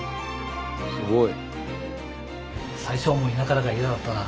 すごい。